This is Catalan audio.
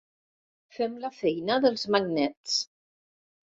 Fem la feina dels magnets.